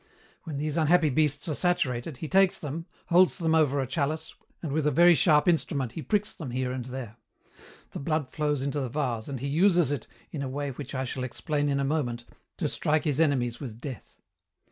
When these unhappy beasts are saturated, he takes them, holds them over a chalice, and with a very sharp instrument he pricks them here and there. The blood flows into the vase and he uses it, in a way which I shall explain in a moment, to strike his enemies with death.